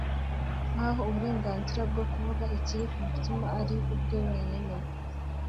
nkaho uburenganzira bwo kuvuga icyiri ku mutima ari ubwe wenyine